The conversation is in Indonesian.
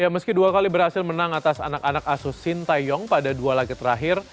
meski dua kali berhasil menang atas anak anak asus sintayong pada dua laga terakhir